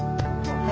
はい。